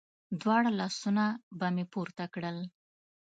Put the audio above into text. دواړه لاسونه به مې پورته کړل.